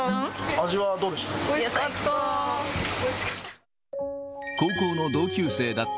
味はどうでした？